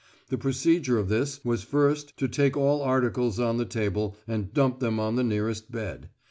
The procedure of this was first to take all articles on the table and dump them on the nearest bed.